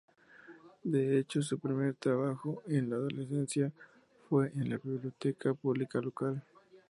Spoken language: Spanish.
De hecho su primer trabajo en la adolescencia fue en la biblioteca pública local.